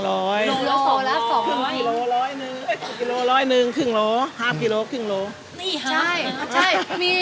โรลละ๒๐๐กิโลกรัมครึ่งโรลละ๑๐๐กิโลกรัม